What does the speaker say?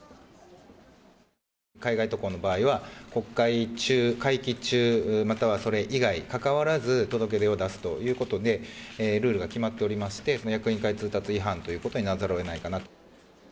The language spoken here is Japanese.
海外渡航の場合は、国会中、会期中またはそれ以外かかわらず、届け出を出すということでルールが決まっておりまして、その役員会通達違反ということにならざるをえないかなと。